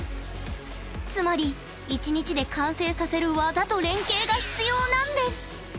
つまり１日で完成させる技と連携が必要なんです。